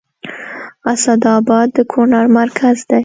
اسداباد د کونړ مرکز دی